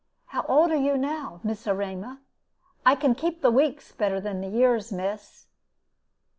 How old are you now, Miss Erema? I can keep the weeks better than the years, miss."